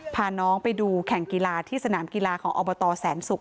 พาน้องไปดูแข่งกีฬาที่สนามกีฬาของอบตแสนศุกร์